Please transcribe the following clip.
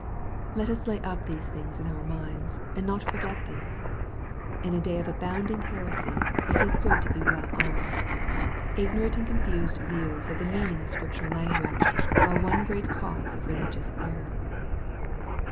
Let us lay up these things in our minds, and not forget them. In a day of abounding heresy, it is good to be well armed. Ignorant and confused views of the meaning of Scripture language, are one great cause of religious error.